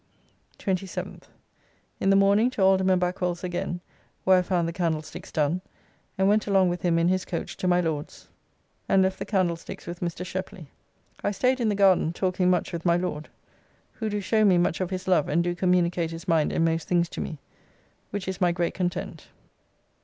27th. In the morning to Alderman Backwell's again, where I found the candlesticks done, and went along with him in his coach to my Lord's and left the candlesticks with Mr. Shepley. I staid in the garden talking much with my Lord, who do show me much of his love and do communicate his mind in most things to me, which is my great content.